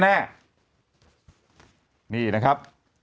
นี่นะครับ